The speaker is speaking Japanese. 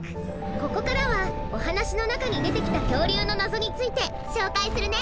ここからはおはなしのなかにでてきたきょうりゅうのなぞについてしょうかいするね。